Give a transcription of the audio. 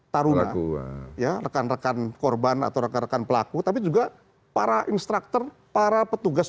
taruh lagu ya rekan rekan korban atau rekan pelaku tapi juga para instructor para petugas